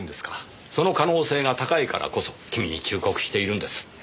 その可能性が高いからこそ君に忠告しているんです。